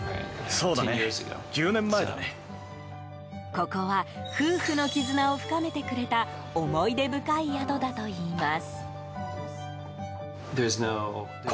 ここは夫婦の絆を深めてくれた思い出深い宿だといいます。